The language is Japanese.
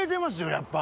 やっぱ。